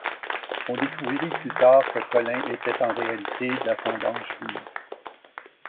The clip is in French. On découvrit plus tard que Collin était en réalité d’ascendance juive.